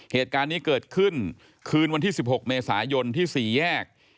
เหตุการณ์นี้เกิดขึ้นคืนวันที่๑๖เมษายนที่๔แยก